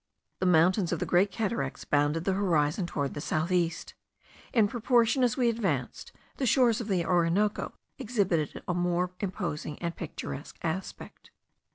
The mountains of the Great Cataracts bounded the horizon towards the south east. In proportion as we advanced, the shores of the Orinoco exhibited a more imposing and picturesque aspect.